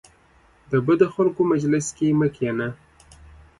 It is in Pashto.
د بدو خلکو مجلس کې مه کینه .